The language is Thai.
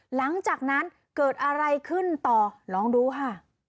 หลังจากนั้นเกิดอะไรขึ้นต่อลองดูค่ะ